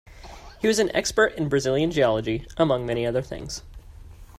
He was an expert in Brazilian geology, among many other things.